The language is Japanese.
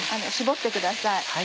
絞ってください。